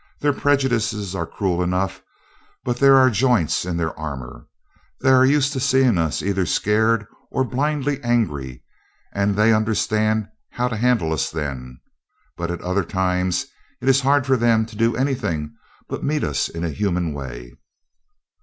Their prejudices are cruel enough, but there are joints in their armor. They are used to seeing us either scared or blindly angry, and they understand how to handle us then, but at other times it is hard for them to do anything but meet us in a human way."